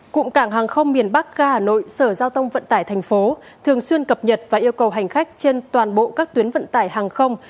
cụm cảng hàng không miền bắc ga hà nội sở giao thông vận tải thành phố thường xuyên cập nhật và yêu cầu hành khách trên toàn bộ các tuyến vận tải hàng không